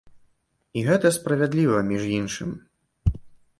І гэта справядліва, між іншым.